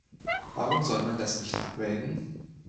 Warum soll man das nicht abwägen?